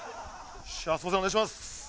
よっしゃすみませんお願いします。